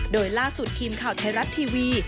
โดยล่าสุดทีมข่าวไทยรัฐทีวี